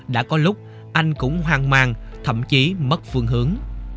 đã có lúc anh cũng hoang mang thậm chí mất phương hướng